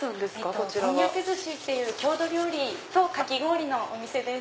こんにゃく寿司という郷土料理とかき氷のお店です。